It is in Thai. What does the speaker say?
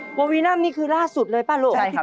โอ๊ยวัลวินัมนี่คือล่าสุดเลยป่ะลูกใช่ครับ